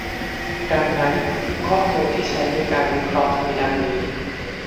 ดังนั้นข้อมูลที่ใช้ในการวิเคราะห์มีดังนี้